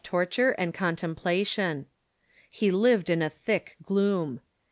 . torture and contemplation. He lived in thick gloom.